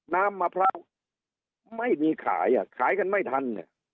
น้ำมะพร้าวไม่มีขายอ่ะขายขายกันไม่ทัน